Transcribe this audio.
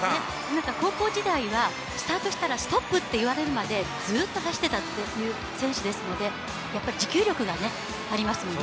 高校時代はスタートしたらストップと言われるまでずっと走ってたっていう選手ですのでやはり持久力がありますもんね。